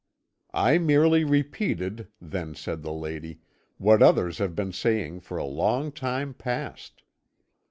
"'I merely repeated,' then said the lady, 'what others have been saying for a long time past.'